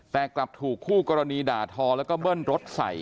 แต่กลับถูกคู่กรณีด่าทอแล้วก็เบิ้ลรถใส่